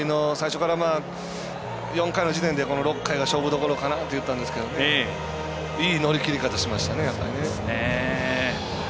４回の時点で６回が勝負どころかなと話をしたんですがいい乗り切り方しましたね。